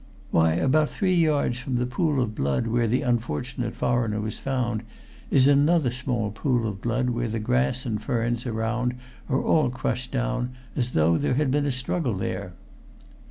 "Why, about three yards from the pool of blood where the unfortunate foreigner was found is another small pool of blood where the grass and ferns around are all crushed down as though there had been a struggle there."